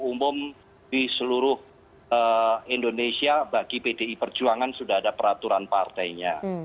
umum di seluruh indonesia bagi pdi perjuangan sudah ada peraturan partainya